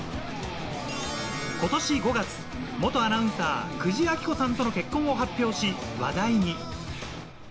今年５月、元アナウンサー・久慈暁子さんとの結婚を発表し話題に。